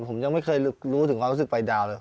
ผมยังไม่เคยรู้ถึงความรู้สึกไปดาวเลย